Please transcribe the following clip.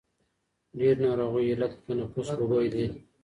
ډېرو ناروغیو علت د تنفس لوګی دی.